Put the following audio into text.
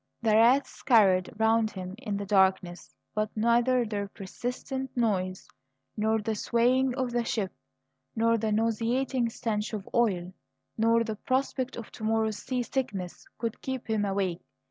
The rats scurried round him in the darkness; but neither their persistent noise nor the swaying of the ship, nor the nauseating stench of oil, nor the prospect of to morrow's sea sickness, could keep him awake.